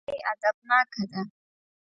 نجلۍ ادبناکه ده.